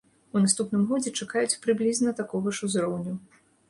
У наступным годзе чакаюць прыблізна такога ж узроўню.